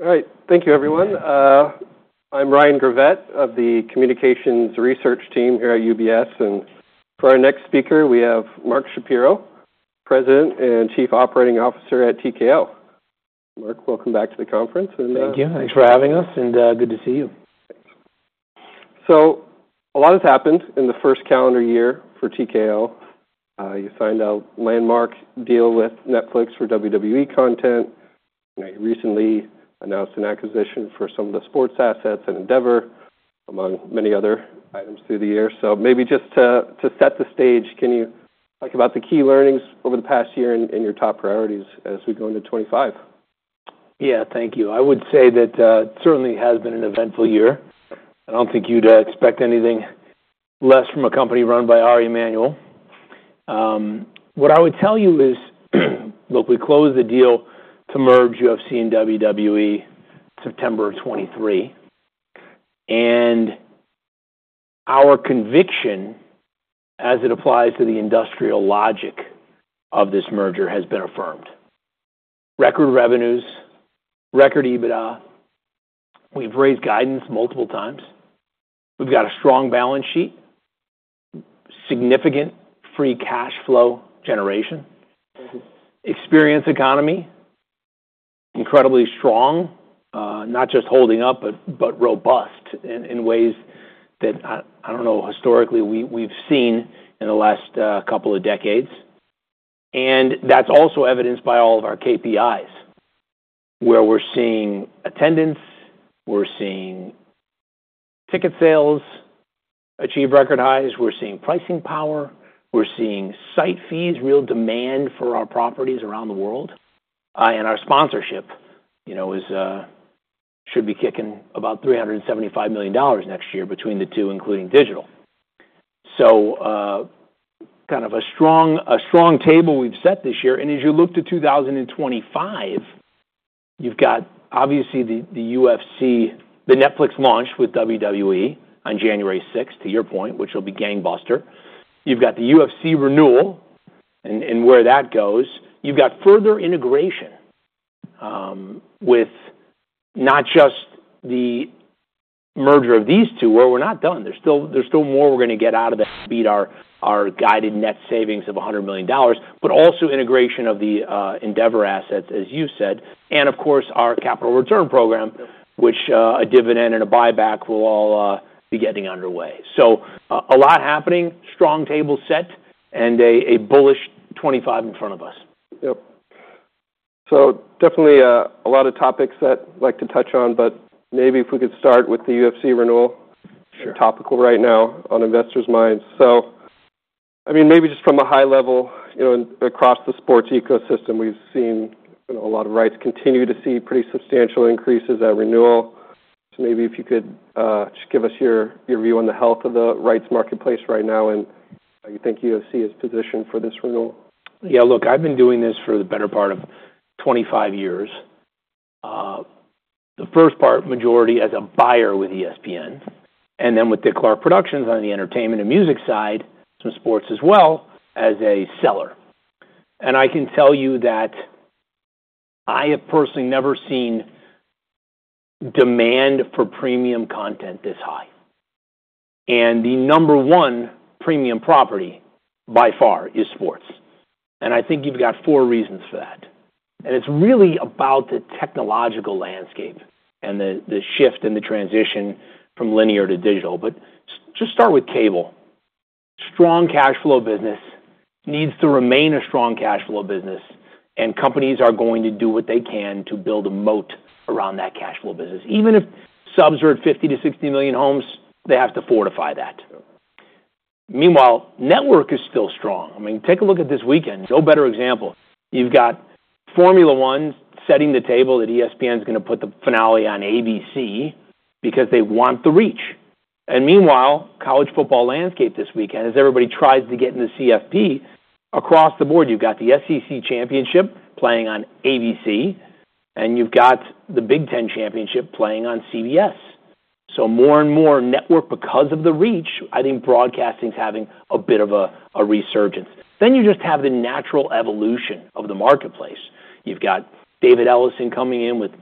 All right. Thank you, everyone. I'm Ryan Grabet of the Communications Research Team here at UBS. And for our next speaker, we have Mark Shapiro, President and Chief Operating Officer at TKO. Mark, welcome back to the conference. Thank you. Thanks for having us, and good to see you. So a lot has happened in the first calendar year for TKO. You signed a landmark deal with Netflix for WWE content. You recently announced an acquisition for some of the sports assets at Endeavor, among many other items through the year. So maybe just to set the stage, can you talk about the key learnings over the past year and your top priorities as we go into 2025? Yeah, thank you. I would say that it certainly has been an eventful year. I don't think you'd expect anything less from a company run by Ari Emanuel. What I would tell you is, look, we closed the deal to merge UFC and WWE in September of 2023, and our conviction, as it applies to the industrial logic of this merger, has been affirmed. Record revenues, record EBITDA. We've raised guidance multiple times. We've got a strong balance sheet, significant free cash flow generation, experience economy, incredibly strong, not just holding up, but robust in ways that, I don't know, historically we've seen in the last couple of decades. And that's also evidenced by all of our KPIs, where we're seeing attendance, we're seeing ticket sales achieve record highs, we're seeing pricing power, we're seeing site fees, real demand for our properties around the world. And our sponsorship should be kicking about $375 million next year between the two, including digital. So kind of a strong table we've set this year. And as you look to 2025, you've got, obviously, the UFC, the Netflix launch with WWE on January 6th, to your point, which will be gangbuster. You've got the UFC renewal and where that goes. You've got further integration with not just the merger of these two, where we're not done. There's still more we're going to get out of that to beat our guided net savings of $100 million, but also integration of the Endeavor assets, as you said, and of course, our capital return program, which a dividend and a buyback will all be getting underway. So a lot happening, strong table set, and a bullish 2025 in front of us. Yep. So definitely a lot of topics that I'd like to touch on, but maybe if we could start with the UFC renewal, topical right now on investors' minds. So I mean, maybe just from a high level, across the sports ecosystem, we've seen a lot of rights continue to see pretty substantial increases at renewal. So maybe if you could just give us your view on the health of the rights marketplace right now and how you think UFC is positioned for this renewal. Yeah, look, I've been doing this for the better part of 25 years. The first part, majority as a buyer with ESPN, and then with Dick Clark Productions on the entertainment and music side, some sports as well as a seller. And I can tell you that I have personally never seen demand for premium content this high. And the number one premium property by far is sports. And I think you've got four reasons for that. And it's really about the technological landscape and the shift in the transition from linear to digital. But just start with cable. Strong cash flow business needs to remain a strong cash flow business, and companies are going to do what they can to build a moat around that cash flow business. Even if subs are at 50 million-60 million homes, they have to fortify that. Meanwhile, network is still strong. I mean, take a look at this weekend. No better example. You've got Formula 1 setting the table that ESPN is going to put the finale on ABC because they want the reach. And meanwhile, college football landscape this weekend, as everybody tries to get in the CFP, across the board, you've got the SEC Championship playing on ABC, and you've got the Big Ten Championship playing on CBS. So more and more network because of the reach, I think broadcasting is having a bit of a resurgence. Then you just have the natural evolution of the marketplace. You've got David Ellison coming in with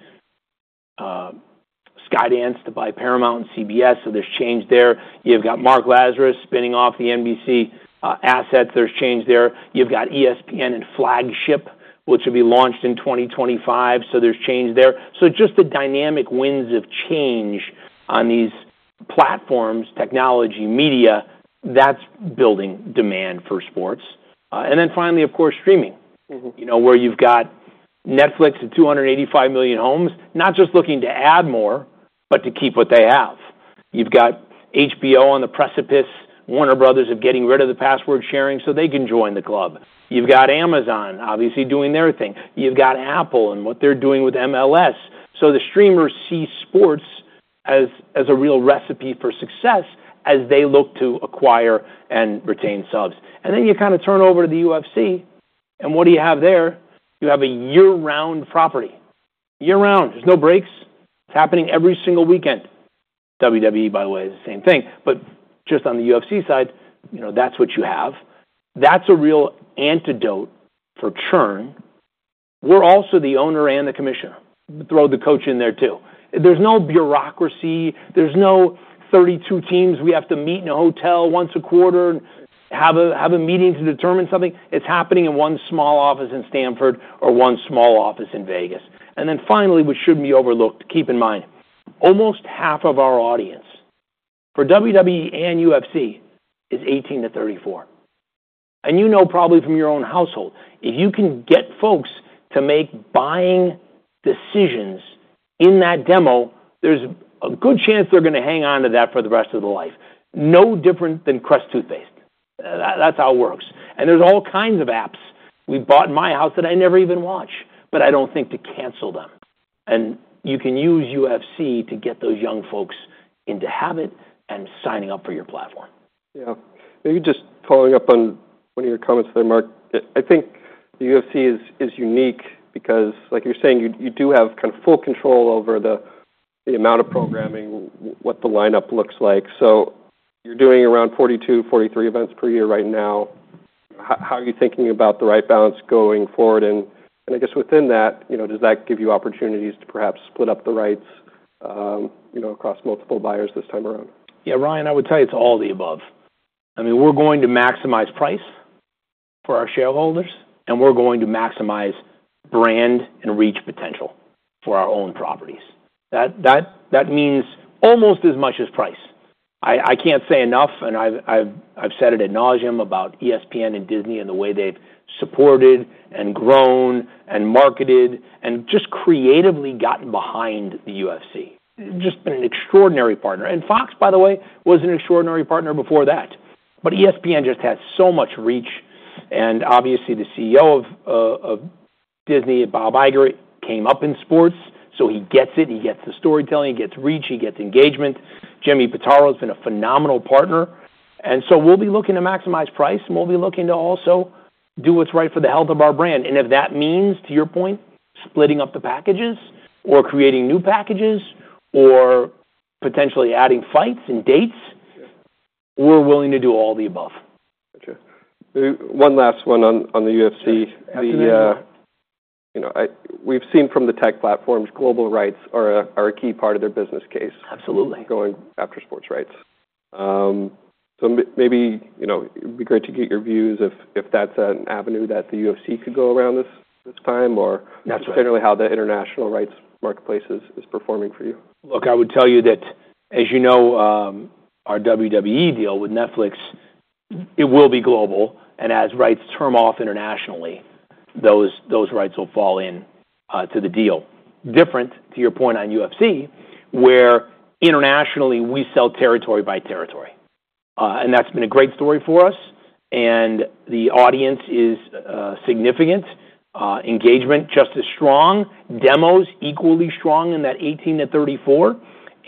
Skydance to buy Paramount and CBS, so there's change there. You've got Mark Lazarus spinning off the NBC assets, there's change there. You've got ESPN and Flagship, which will be launched in 2025, so there's change there. Just the dynamic winds of change on these platforms, technology, media, that's building demand for sports. And then finally, of course, streaming, where you've got Netflix at 285 million homes, not just looking to add more, but to keep what they have. You've got HBO on the precipice. Warner Bros. are getting rid of the password sharing so they can join the club. You've got Amazon, obviously, doing their thing. You've got Apple and what they're doing with MLS. So the streamers see sports as a real recipe for success as they look to acquire and retain subs. And then you kind of turn over to the UFC, and what do you have there? You have a year-round property. Year-round. There's no breaks. It's happening every single weekend. WWE, by the way, is the same thing. But just on the UFC side, that's what you have. That's a real antidote for churn. We're also the owner and the commissioner. Throw the coach in there too. There's no bureaucracy. There's no 32 teams we have to meet in a hotel once a quarter, have a meeting to determine something. It's happening in one small office in Stamford or one small office in Vegas. And then finally, which shouldn't be overlooked, keep in mind, almost half of our audience for WWE and UFC is 18-34. And you know probably from your own household, if you can get folks to make buying decisions in that demo, there's a good chance they're going to hang on to that for the rest of their life. No different than Crest Toothpaste. That's how it works. And there's all kinds of apps we bought in my house that I never even watch, but I don't think to cancel them. You can use UFC to get those young folks into habit and signing up for your platform. Yeah. Maybe just following up on one of your comments there, Mark, I think the UFC is unique because, like you're saying, you do have kind of full control over the amount of programming, what the lineup looks like. So you're doing around 42-43 events per year right now. How are you thinking about the right balance going forward? And I guess within that, does that give you opportunities to perhaps split up the rights across multiple buyers this time around? Yeah, Ryan, I would tell you it's all the above. I mean, we're going to maximize price for our shareholders, and we're going to maximize brand and reach potential for our own properties. That means almost as much as price. I can't say enough, and I've said it ad nauseam about ESPN and Disney and the way they've supported and grown and marketed and just creatively gotten behind the UFC. It's just been an extraordinary partner. And Fox, by the way, was an extraordinary partner before that. But ESPN just has so much reach. And obviously, the CEO of Disney, Bob Iger, came up in sports, so he gets it. He gets the storytelling. He gets reach. He gets engagement. Jimmy Pitaro has been a phenomenal partner. And so we'll be looking to maximize price, and we'll be looking to also do what's right for the health of our brand. If that means, to your point, splitting up the packages or creating new packages or potentially adding fights and dates, we're willing to do all the above. Gotcha. One last one on the UFC. Absolutely. We've seen from the tech platforms, global rights are a key part of their business case. Absolutely. Going after sports rights. So maybe it'd be great to get your views if that's an avenue that the UFC could go around this time, or generally how the international rights marketplace is performing for you. Look, I would tell you that, as you know, our WWE deal with Netflix, it will be global. And as rights terms off internationally, those rights will fall into the deal. Different, to your point on UFC, where internationally, we sell territory by territory. And that's been a great story for us. And the audience is significant. Engagement just as strong. Demos equally strong in that 18-34.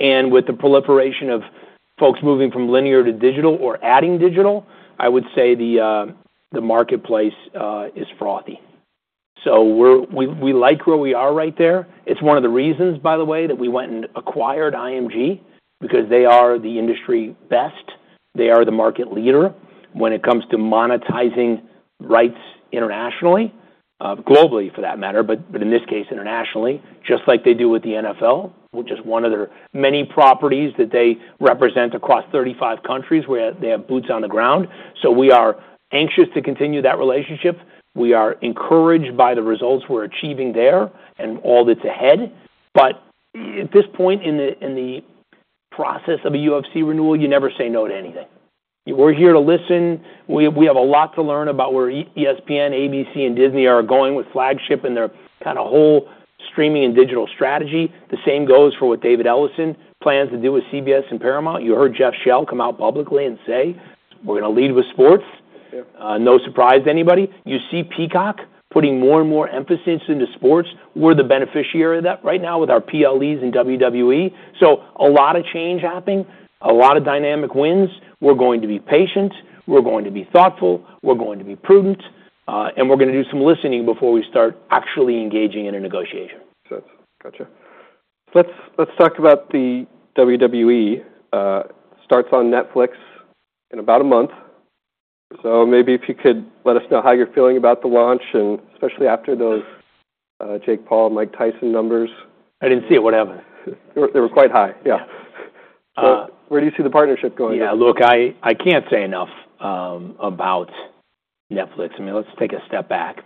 And with the proliferation of folks moving from linear to digital or adding digital, I would say the marketplace is frothy. So we like where we are right there. It's one of the reasons, by the way, that we went and acquired IMG because they are the industry best. They are the market leader when it comes to monetizing rights internationally, globally for that matter, but in this case, internationally, just like they do with the NFL, which is one of their many properties that they represent across 35 countries where they have boots on the ground. So we are anxious to continue that relationship. We are encouraged by the results we're achieving there and all that's ahead. But at this point in the process of a UFC renewal, you never say no to anything. We're here to listen. We have a lot to learn about where ESPN, ABC, and Disney are going with Flagship and their kind of whole streaming and digital strategy. The same goes for what David Ellison plans to do with CBS and Paramount. You heard Jeff Shell come out publicly and say, "We're going to lead with sports." No surprise to anybody. You see Peacock putting more and more emphasis into sports. We're the beneficiary of that right now with our PLEs and WWE. So a lot of change happening, a lot of dynamic wins. We're going to be patient. We're going to be thoughtful. We're going to be prudent. And we're going to do some listening before we start actually engaging in a negotiation. Gotcha. Let's talk about the WWE. Starts on Netflix in about a month. So maybe if you could let us know how you're feeling about the launch, and especially after those Jake Paul, Mike Tyson numbers? I didn't see it. What happened? They were quite high. Yeah. Where do you see the partnership going? Yeah. Look, I can't say enough about Netflix. I mean, let's take a step back.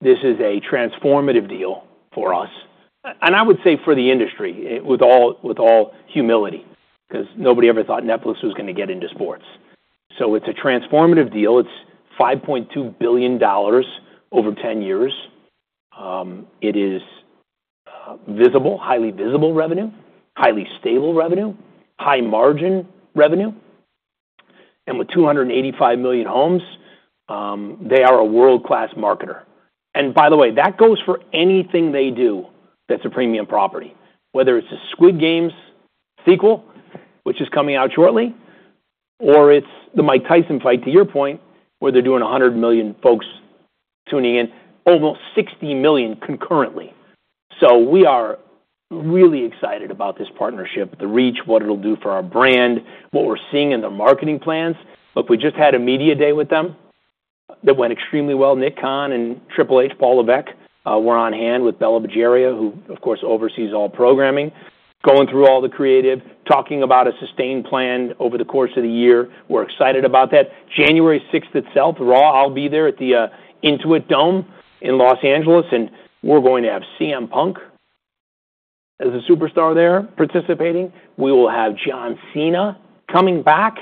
This is a transformative deal for us. I would say for the industry, with all humility, because nobody ever thought Netflix was going to get into sports. So it's a transformative deal. It's $5.2 billion over 10 years. It is visible, highly visible revenue, highly stable revenue, high margin revenue. With 285 million homes, they are a world-class marketer. By the way, that goes for anything they do that's a premium property, whether it's the Squid Game sequel, which is coming out shortly, or it's the Mike Tyson fight, to your point, where they're doing 100 million folks tuning in, almost 60 million concurrently. So we are really excited about this partnership, the reach, what it'll do for our brand, what we're seeing in their marketing plans. Look, we just had a media day with them that went extremely well. Nick Khan and Triple H, Paul Levesque, were on hand with Bela Bajaria, who, of course, oversees all programming, going through all the creative, talking about a sustained plan over the course of the year. We're excited about that. January 6th itself, Raw, I'll be there at the Intuit Dome in Los Angeles, and we're going to have CM Punk as a superstar there participating. We will have John Cena coming back.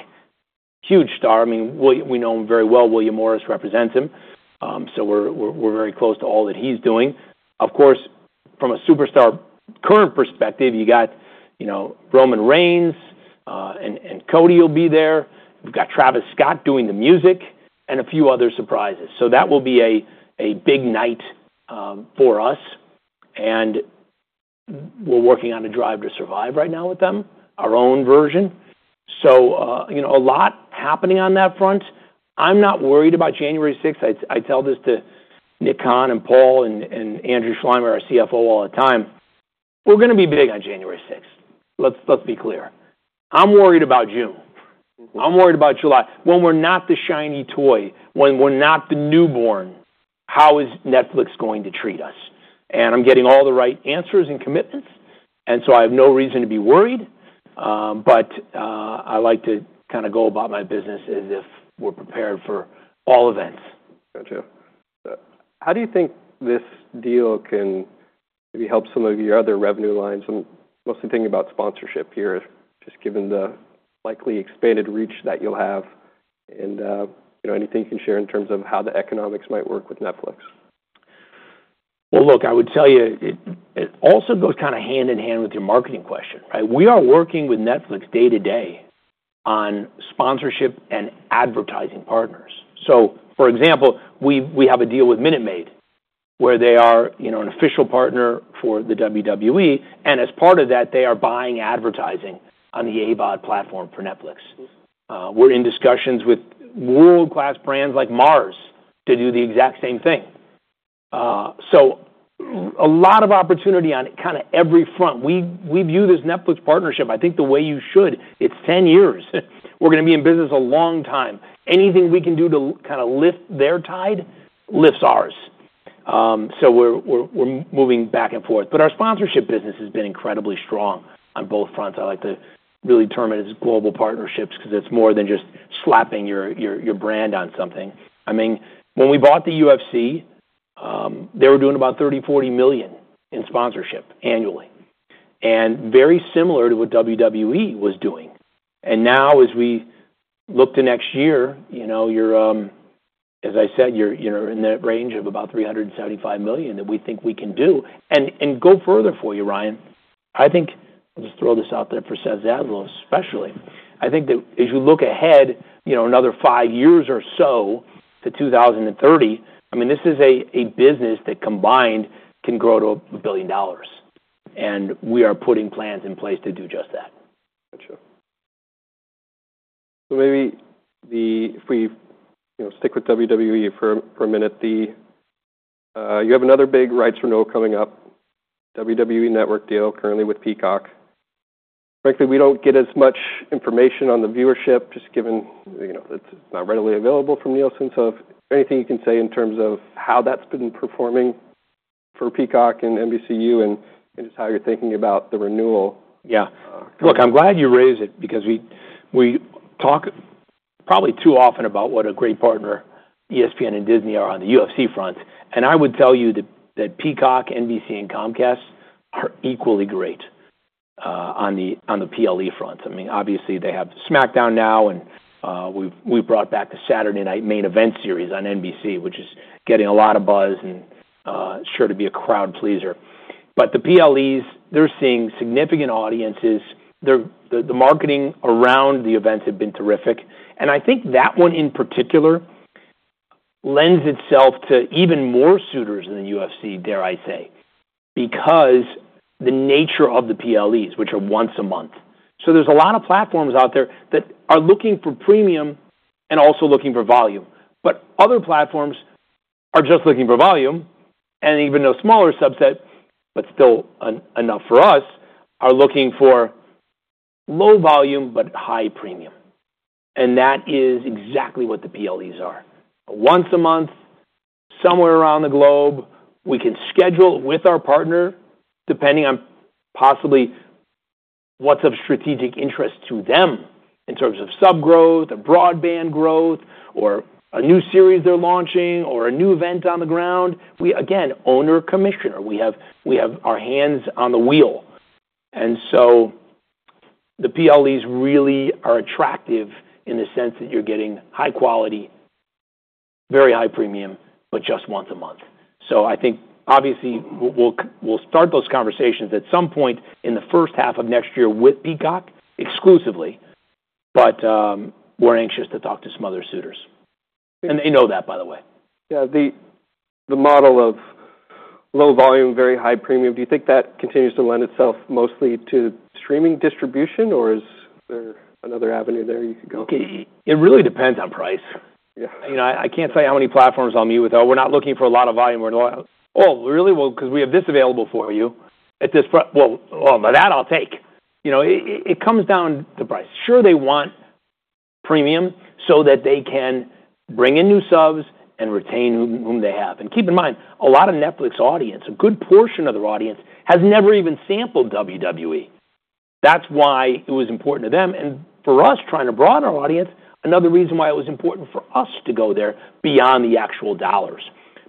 Huge star. I mean, we know him very well. William Morris represents him. So we're very close to all that he's doing. Of course, from a superstar current perspective, you got Roman Reigns and Cody will be there. We've got Travis Scott doing the music and a few other surprises. So that will be a big night for us. And we're working on a Drive to Survive right now with them, our own version. So a lot happening on that front. I'm not worried about January 6th. I tell this to Nick Khan and Paul and Andrew Schleimer, our CFO, all the time. We're going to be big on January 6th. Let's be clear. I'm worried about June. I'm worried about July. When we're not the shiny toy, when we're not the newborn, how is Netflix going to treat us? And I'm getting all the right answers and commitments. And so I have no reason to be worried. But I like to kind of go about my business as if we're prepared for all events. Gotcha. How do you think this deal can maybe help some of your other revenue lines? I'm mostly thinking about sponsorship here, just given the likely expanded reach that you'll have. And anything you can share in terms of how the economics might work with Netflix? Well, look, I would tell you it also goes kind of hand in hand with your marketing question, right? We are working with Netflix day to day on sponsorship and advertising partners. So for example, we have a deal with Minute Maid where they are an official partner for the WWE. And as part of that, they are buying advertising on the AVOD platform for Netflix. We're in discussions with world-class brands like Mars to do the exact same thing. So a lot of opportunity on kind of every front. We view this Netflix partnership, I think the way you should, it's 10 years. We're going to be in business a long time. Anything we can do to kind of lift their tide lifts ours. So we're moving back and forth. But our sponsorship business has been incredibly strong on both fronts. I like to really term it as global partnerships because it's more than just slapping your brand on something. I mean, when we bought the UFC, they were doing about $30 million-$40 million in sponsorship annually, and very similar to what WWE was doing. And now, as we look to next year, as I said, you're in the range of about $375 million that we think we can do. And go further for you, Ryan. I think I'll just throw this out there for Seth Zaslow, especially. I think that as you look ahead, another five years or so to 2030, I mean, this is a business that combined can grow to a $1 billion. And we are putting plans in place to do just that. Gotcha. So maybe if we stick with WWE for a minute, you have another big rights renewal coming up, WWE Network deal currently with Peacock. Frankly, we don't get as much information on the viewership, just given that it's not readily available from Nielsen. So if there's anything you can say in terms of how that's been performing for Peacock and NBCU and just how you're thinking about the renewal. Yeah. Look, I'm glad you raised it because we talk probably too often about what a great partner ESPN and Disney are on the UFC front. And I would tell you that Peacock, NBC, and Comcast are equally great on the PLE front. I mean, obviously, they have SmackDown now, and we've brought back the Saturday Night's Main Event series on NBC, which is getting a lot of buzz and sure to be a crowd pleaser. But the PLEs, they're seeing significant audiences. The marketing around the events has been terrific. And I think that one in particular lends itself to even more suitors than the UFC, dare I say, because the nature of the PLEs, which are once a month. So there's a lot of platforms out there that are looking for premium and also looking for volume. But other platforms are just looking for volume, and even a smaller subset, but still enough for us, are looking for low volume but high premium. And that is exactly what the PLEs are. Once a month, somewhere around the globe, we can schedule with our partner, depending on possibly what's of strategic interest to them in terms of sub growth or broadband growth or a new series they're launching or a new event on the ground. We, again, owner commissioner. We have our hands on the wheel. And so the PLEs really are attractive in the sense that you're getting high quality, very high premium, but just once a month. So I think, obviously, we'll start those conversations at some point in the first half of next year with Peacock exclusively. But we're anxious to talk to some other suitors. And they know that, by the way. Yeah. The model of low volume, very high premium, do you think that continues to lend itself mostly to streaming distribution, or is there another avenue there you could go? It really depends on price. I can't tell you how many platforms I'll meet with. We're not looking for a lot of volume. We're like, "Oh, really? Well, because we have this available for you at this price." Well, that I'll take. It comes down to price. Sure, they want premium so that they can bring in new subs and retain whom they have. And keep in mind, a lot of Netflix audience, a good portion of their audience, has never even sampled WWE. That's why it was important to them. And for us, trying to broaden our audience, another reason why it was important for us to go there beyond the actual dollars.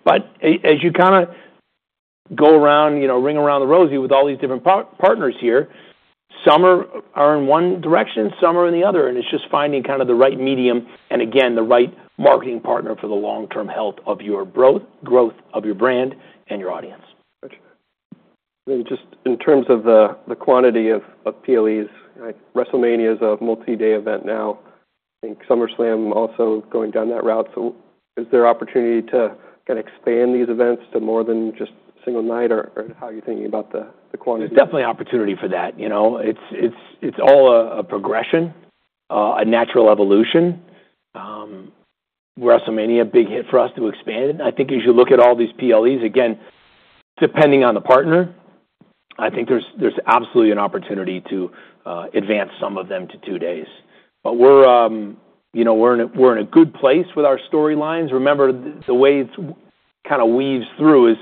But as you kind of go around, ring around the rosie with all these different partners here, some are in one direction, some are in the other. It's just finding kind of the right medium and, again, the right marketing partner for the long-term health of your growth of your brand and your audience. Gotcha. I mean, just in terms of the quantity of PLEs, WrestleMania is a multi-day event now. I think SummerSlam also going down that route. So is there opportunity to kind of expand these events to more than just single night, or how are you thinking about the quantity? There's definitely opportunity for that. It's all a progression, a natural evolution. WrestleMania, big hit for us to expand it. I think as you look at all these PLEs, again, depending on the partner, I think there's absolutely an opportunity to advance some of them to two days. But we're in a good place with our storylines. Remember, the way it kind of weaves through is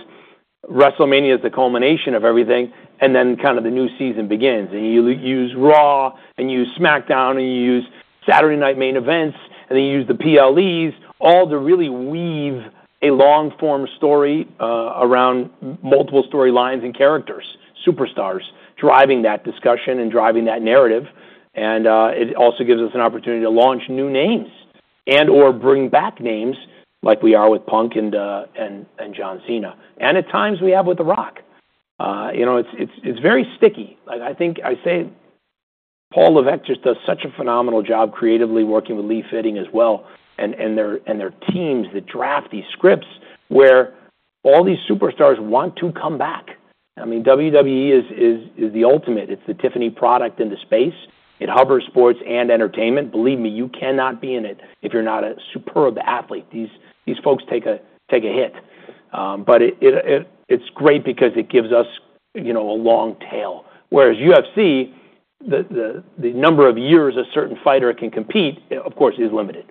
WrestleMania is the culmination of everything, and then kind of the new season begins. And you use Raw, and you use SmackDown, and you use Saturday Night main events, and then you use the PLEs, all to really weave a long-form story around multiple storylines and characters, superstars driving that discussion and driving that narrative. And it also gives us an opportunity to launch new names and/or bring back names like we are with Punk and John Cena. And at times, we have with The Rock. It's very sticky. I think I say Paul Levesque just does such a phenomenal job creatively working with Lee Fitting as well and their teams that draft these scripts where all these superstars want to come back. I mean, WWE is the ultimate. It's the Tiffany product in the space. It hovers sports and entertainment. Believe me, you cannot be in it if you're not a superb athlete. These folks take a hit. But it's great because it gives us a long tail. Whereas UFC, the number of years a certain fighter can compete, of course, is limited.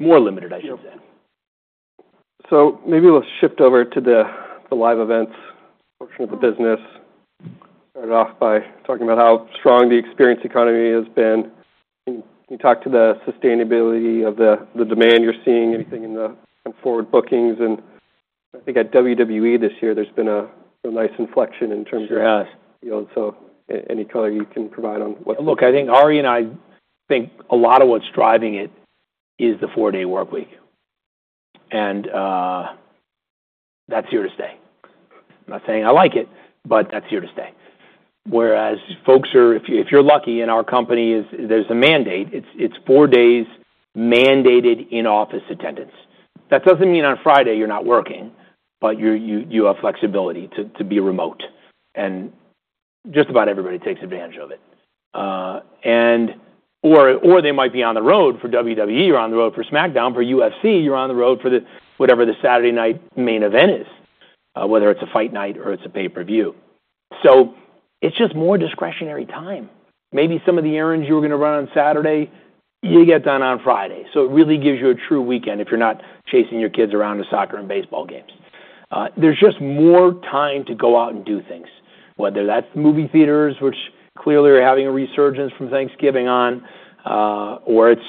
More limited, I should say. So maybe let's shift over to the live events portion of the business. Started off by talking about how strong the experience economy has been. Can you talk to the sustainability of the demand you're seeing, anything in the forward bookings? And I think at WWE this year, there's been a nice inflection in terms of your deal. So any color you can provide on what's going on. Look, I think Ari and I think a lot of what's driving it is the four-day workweek, and that's here to stay. I'm not saying I like it, but that's here to stay. Whereas, if you're lucky in our company, folks are under a mandate. It's four days mandated in-office attendance. That doesn't mean on Friday you're not working, but you have flexibility to be remote, and just about everybody takes advantage of it, or they might be on the road for WWE. You're on the road for SmackDown. For UFC, you're on the road for whatever the Saturday Night's Main Event is, whether it's a Fight Night or it's a pay-per-view, so it's just more discretionary time. Maybe some of the errands you were going to run on Saturday, you get done on Friday. So it really gives you a true weekend if you're not chasing your kids around to soccer and baseball games. There's just more time to go out and do things, whether that's movie theaters, which clearly are having a resurgence from Thanksgiving on, or it's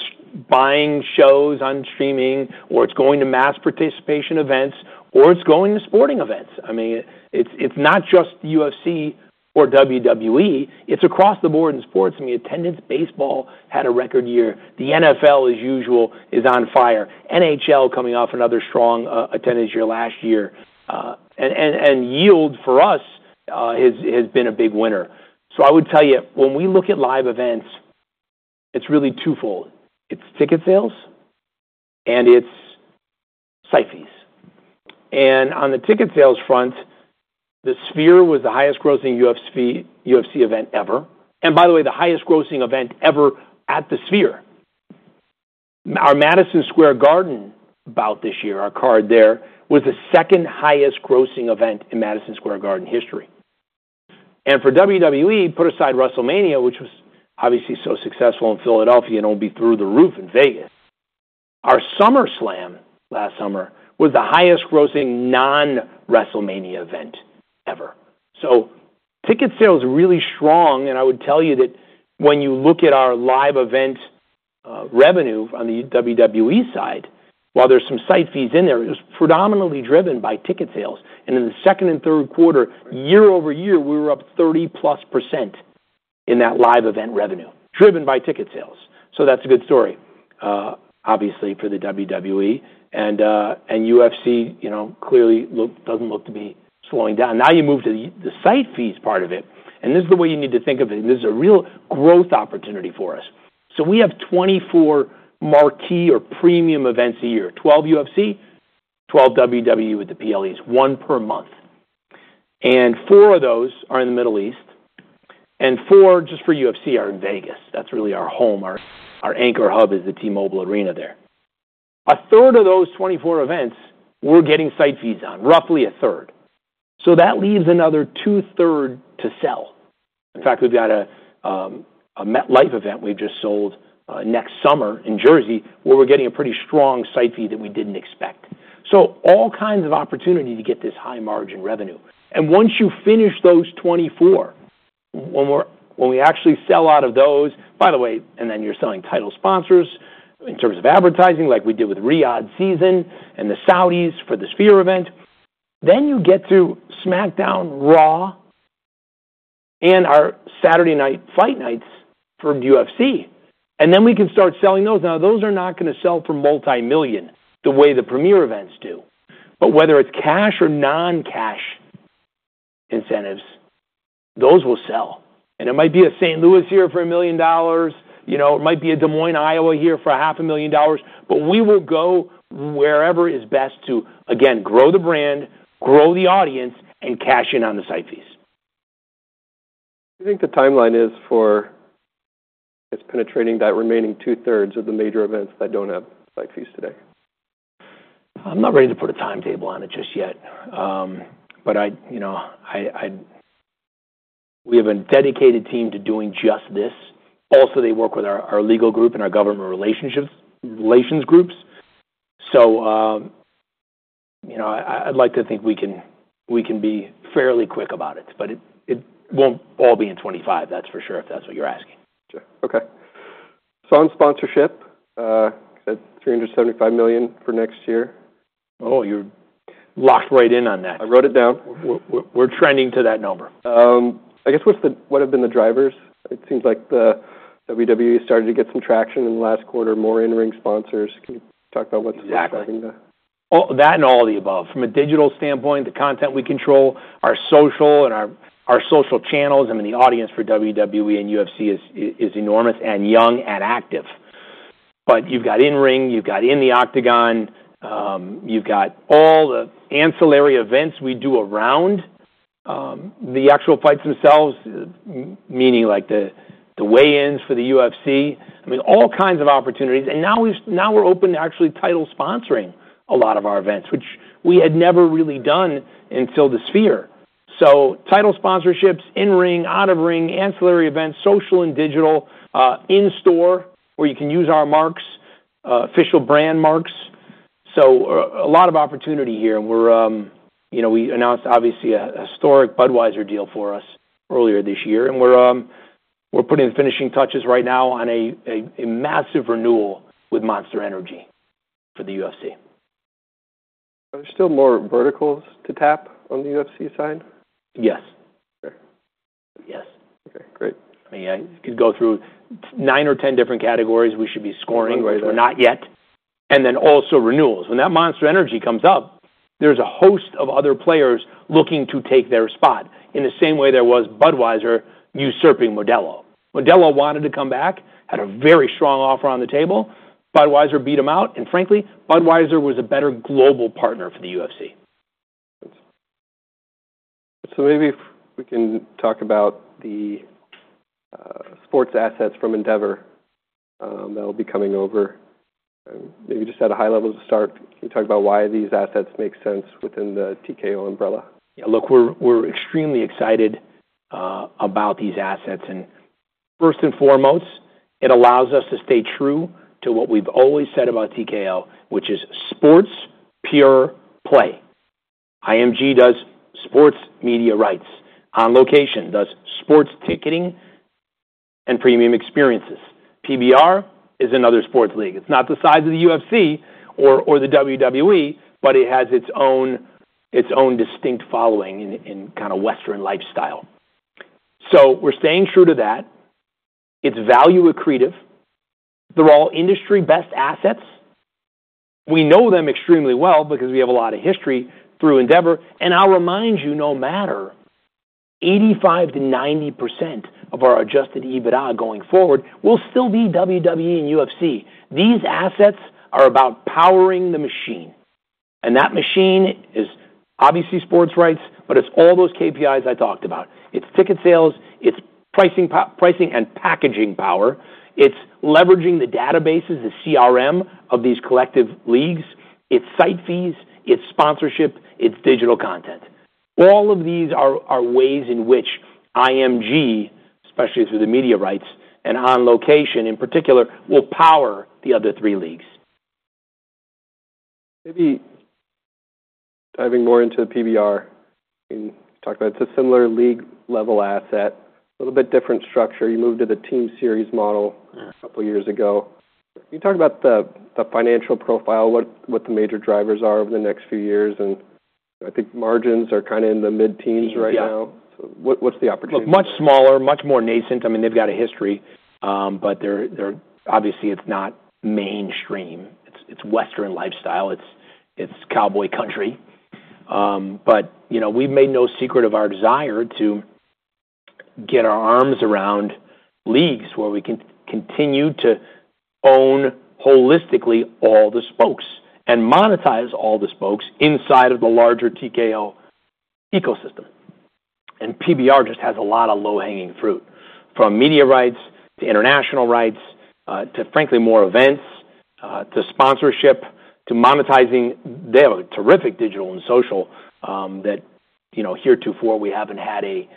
buying shows on streaming, or it's going to mass participation events, or it's going to sporting events. I mean, it's not just UFC or WWE. It's across the board in sports. I mean, attendance baseball had a record year. The NFL, as usual, is on fire. NHL coming off another strong attendance year last year. And yield for us has been a big winner. So I would tell you, when we look at live events, it's really twofold. It's ticket sales and it's site fees. And on the ticket sales front, the Sphere was the highest grossing UFC event ever. And by the way, the highest grossing event ever at the Sphere. Our Madison Square Garden bout this year, our card there, was the second highest grossing event in Madison Square Garden history. And for WWE, put aside WrestleMania, which was obviously so successful in Philadelphia and will be through the roof in Vegas, our SummerSlam last summer was the highest grossing non-WrestleMania event ever. So ticket sales are really strong. And I would tell you that when you look at our live event revenue on the WWE side, while there's some site fees in there, it was predominantly driven by ticket sales. And in the second and third quarter, year- over-year, we were up 30% plus in that live event revenue, driven by ticket sales. So that's a good story, obviously, for the WWE. And UFC clearly doesn't look to be slowing down. Now you move to the site fees part of it. And this is the way you need to think of it. This is a real growth opportunity for us. So we have 24 marquee or premium events a year, 12 UFC, 12 WWE with the PLEs, one per month. And four of those are in the Middle East. And four, just for UFC, are in Vegas. That's really our home. Our anchor hub is the T-Mobile Arena there. A third of those 24 events, we're getting site fees on, roughly a third. So that leaves another two-thirds to sell. In fact, we've got a MetLife event we've just sold next summer in Jersey where we're getting a pretty strong site fee that we didn't expect. So all kinds of opportunity to get this high margin revenue. Once you finish those 24, when we actually sell out of those, by the way, and then you're selling title sponsors in terms of advertising like we did with Riyadh Season and the Saudis for the Sphere event, then you get to SmackDown, Raw, and our Saturday Night fight nights for UFC. Then we can start selling those. Now, those are not going to sell for multimillion the way the premier events do. Whether it's cash or non-cash incentives, those will sell. It might be a St. Louis here for $1 million. It might be a Des Moines, Iowa here for $500,000. We will go wherever is best to, again, grow the brand, grow the audience, and cash in on the site fees. Do you think the timeline is for penetrating that remaining two-thirds of the major events that don't have site fees today? I'm not ready to put a timetable on it just yet. But we have a dedicated team to doing just this. Also, they work with our legal group and our government relations groups. So I'd like to think we can be fairly quick about it. But it won't all be in 2025, that's for sure, if that's what you're asking. Sure. Okay. On sponsorship, you said $375 million for next year. Oh, you're locked right in on that. I wrote it down. We're trending to that number. I guess what have been the drivers? It seems like the WWE started to get some traction in the last quarter, more in-ring sponsors. Can you talk about what's driving that? Exactly. That and all the above. From a digital standpoint, the content we control, our social and our social channels, I mean, the audience for WWE and UFC is enormous and young and active. But you've got in-ring, you've got in the Octagon, you've got all the ancillary events we do around the actual fights themselves, meaning the weigh-ins for the UFC. I mean, all kinds of opportunities. And now we're open to actually title sponsoring a lot of our events, which we had never really done until the Sphere. So title sponsorships, in-ring, out-of-ring, ancillary events, social and digital, in-store where you can use our marks, official brand marks. So a lot of opportunity here. We announced, obviously, a historic Budweiser deal for us earlier this year. And we're putting the finishing touches right now on a massive renewal with Monster Energy for the UFC. Are there still more verticals to tap on the UFC side? Yes. Yes. Okay. Great. I mean, you could go through nine or 10 different categories we should be scoring, whereas we're not yet. And then also renewals. When that Monster Energy comes up, there's a host of other players looking to take their spot in the same way there was Budweiser usurping Modelo. Modelo wanted to come back, had a very strong offer on the table. Budweiser beat him out. And frankly, Budweiser was a better global partner for the UFC. So maybe we can talk about the sports assets from Endeavor that will be coming over. Maybe just at a high level to start, can you talk about why these assets make sense within the TKO umbrella? Yeah. Look, we're extremely excited about these assets. And first and foremost, it allows us to stay true to what we've always said about TKO, which is sports pure play. IMG does sports media rights. On Location does sports ticketing and premium experiences. PBR is another sports league. It's not the size of the UFC or the WWE, but it has its own distinct following in kind of Western lifestyle. So we're staying true to that. It's value accretive. They're all industry best assets. We know them extremely well because we have a lot of history through Endeavor. And I'll remind you, no matter, 85%-90% of our adjusted EBITDA going forward will still be WWE and UFC. These assets are about powering the machine. And that machine is obviously sports rights, but it's all those KPIs I talked about. It's ticket sales. It's pricing and packaging power. It's leveraging the databases, the CRM of these collective leagues. It's site fees. It's sponsorship. It's digital content. All of these are ways in which IMG, especially through the media rights and On Location in particular, will power the other three leagues. Maybe diving more into the PBR, you talked about it's a similar league-level asset, a little bit different structure. You moved to the team series model a couple of years ago. Can you talk about the financial profile, what the major drivers are over the next few years, and I think margins are kind of in the mid-teens right now, so what's the opportunity? Much smaller, much more nascent. I mean, they've got a history. But obviously, it's not mainstream. It's Western lifestyle. It's cowboy country. But we've made no secret of our desire to get our arms around leagues where we can continue to own holistically all the spokes and monetize all the spokes inside of the larger TKO ecosystem. And PBR just has a lot of low-hanging fruit, from media rights to international rights to, frankly, more events to sponsorship to monetizing. They have a terrific digital and social that heretofore we haven't had a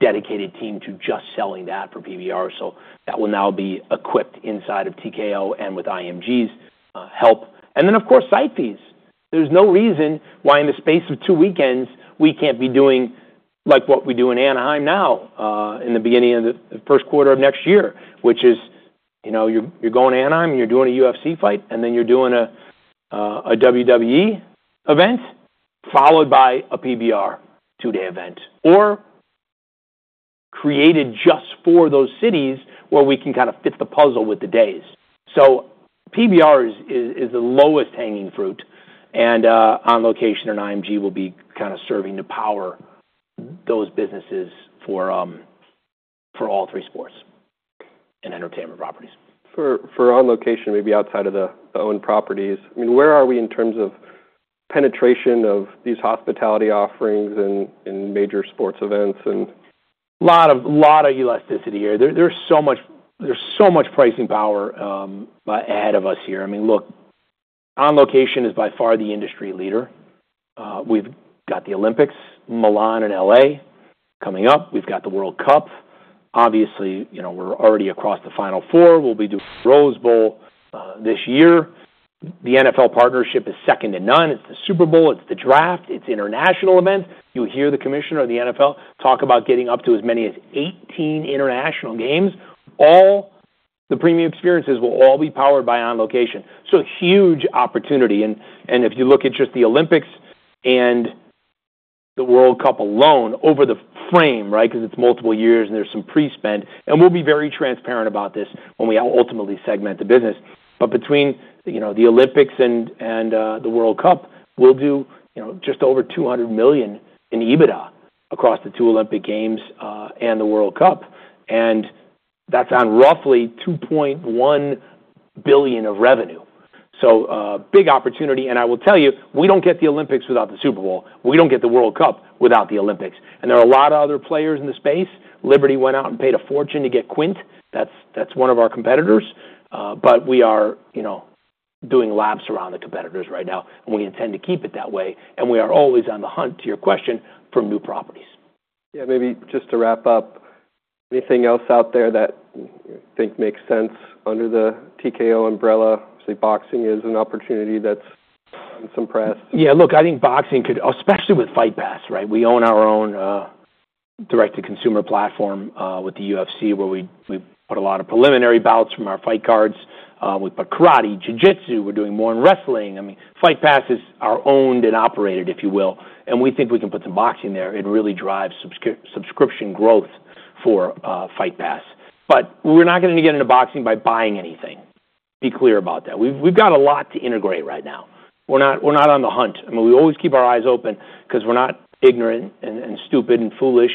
dedicated team to just selling that for PBR. So that will now be equipped inside of TKO and with IMG's help. And then, of course, site fees. There's no reason why, in the space of two weekends, we can't be doing like what we do in Anaheim now in the beginning of the first quarter of next year, which is you're going to Anaheim and you're doing a UFC fight, and then you're doing a WWE event followed by a PBR two-day event or created just for those cities where we can kind of fit the puzzle with the days. So PBR is the lowest hanging fruit. And On Location, IMG will be kind of serving to power those businesses for all three sports and entertainment properties. For On Location, maybe outside of the owned properties, I mean, where are we in terms of penetration of these hospitality offerings and major sports events? A lot of elasticity here. There's so much pricing power ahead of us here. I mean, look, On Location is by far the industry leader. We've got the Olympics, Milan and LA coming up. We've got the World Cup. Obviously, we're already across the Final Four. We'll be doing Rose Bowl this year. The NFL partnership is second to none. It's the Super Bowl. It's the draft. It's international events. You'll hear the commissioner of the NFL talk about getting up to as many as 18 international games. All the premium experiences will all be powered by On Location, so huge opportunity. And if you look at just the Olympics and the World Cup alone over the frame, right, because it's multiple years and there's some pre-spend, and we'll be very transparent about this when we ultimately segment the business. But between the Olympics and the World Cup, we'll do just over $200 million in EBITDA across the two Olympic games and the World Cup. And that's on roughly $2.1 billion of revenue. So big opportunity. And I will tell you, we don't get the Olympics without the Super Bowl. We don't get the World Cup without the Olympics. And there are a lot of other players in the space. Liberty went out and paid a fortune to get Quint. That's one of our competitors. But we are doing laps around the competitors right now. And we intend to keep it that way. And we are always on the hunt, to your question, for new properties. Yeah. Maybe just to wrap up, anything else out there that you think makes sense under the TKO umbrella? Obviously, boxing is an opportunity that's in some press. Yeah. Look, I think boxing could, especially with Fight Pass, right? We own our own direct-to-consumer platform with the UFC where we put a lot of preliminary bouts from our fight cards. We put karate, jiu-jitsu. We're doing more in wrestling. I mean, Fight Pass is our owned and operated, if you will. And we think we can put some boxing there. It really drives subscription growth for Fight Pass. But we're not going to get into boxing by buying anything. Be clear about that. We've got a lot to integrate right now. We're not on the hunt. I mean, we always keep our eyes open because we're not ignorant and stupid and foolish.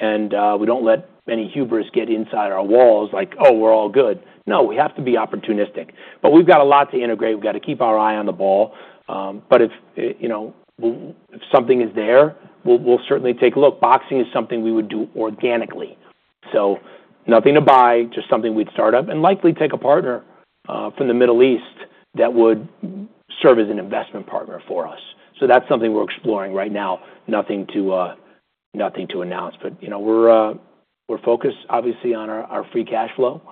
And we don't let any hubris get inside our walls like, "Oh, we're all good." No. We have to be opportunistic. But we've got a lot to integrate. We've got to keep our eye on the ball. But if something is there, we'll certainly take a look. Boxing is something we would do organically. So nothing to buy, just something we'd start up and likely take a partner from the Middle East that would serve as an investment partner for us. So that's something we're exploring right now, nothing to announce. But we're focused, obviously, on our free cash flow,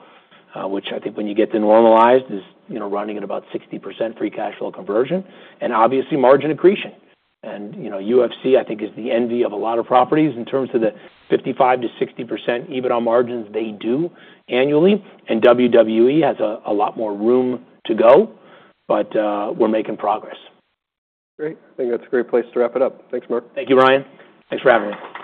which I think when you get to normalized, is running at about 60% free cash flow conversion and obviously margin accretion. And UFC, I think, is the envy of a lot of properties in terms of the 55%-60% EBITDA margins they do annually. And WWE has a lot more room to go. But we're making progress. Great. I think that's a great place to wrap it up. Thanks, Mark. Thank you, Ryan. Thanks for having me.